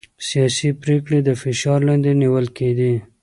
سياسي پرېکړې د فشار لاندې نيول کېدې.